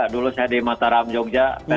dulu saya di mataram jogja